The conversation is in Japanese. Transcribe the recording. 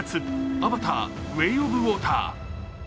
「アバター：ウェイ・オブ・ウォーター」。